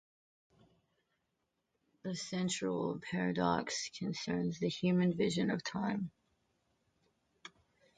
The central paradox concerns the human vision of time.